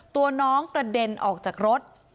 ตัวน้องกระเด็นออกจากรถ